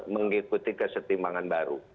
mengikuti kesetimbangan baru